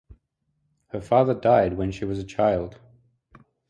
Her father died when she was a child.